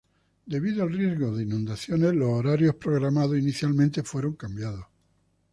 Debido al riesgo de inundaciones, los horarios programados inicialmente fueron cambiados.